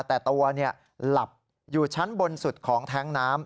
แต่ตัวหลับอยู่ชั้นบนสุดของแท้งน้ำ